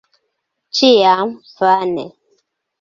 Ĉiam vane.